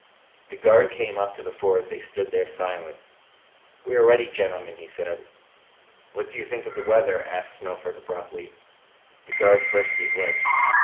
The guard came up to the four as they stood there silent. "We are ready, gentlemen," he said. "What do you think of the weather?" asked Snowford abruptly. The guard pursed his lips.